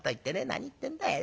何言ってんだい。